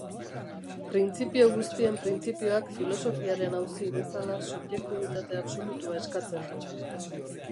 Printzipio guztien printzipioak filosofiaren auzi bezala subjektibitate absolutua eskatzen du.